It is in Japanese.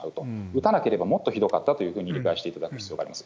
打たなければもっとひどかったというふうに理解していただく必要があります。